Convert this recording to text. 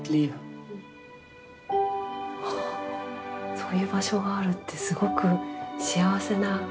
そういう場所があるってすごく幸せなことですね。